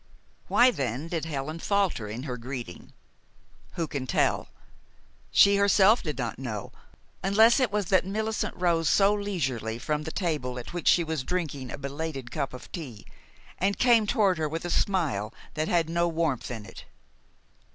Why, then, did Helen falter in her greeting? Who can tell? She herself did not know, unless it was that Millicent rose so leisurely from the table at which she was drinking a belated cup of tea, and came toward her with a smile that had no warmth in it.